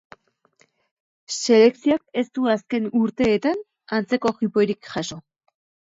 Selekzioak ez du azken urteetan antzeko jiporik jaso.